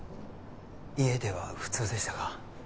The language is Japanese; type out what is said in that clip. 家では普通でしたか？